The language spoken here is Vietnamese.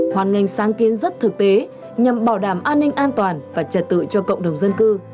hoàn ngành sáng kiến rất thực tế nhằm bảo đảm an ninh an toàn và trật tự cho cộng đồng dân cư